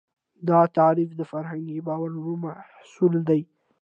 دا تعریف د فرهنګي باورونو محصول دی.